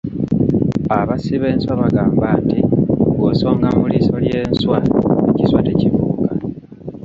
"Abassi b’enswa bagamba nti bw’osonga mu liiso ly’enswa, ekiswa tekibuuka."